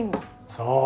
そう。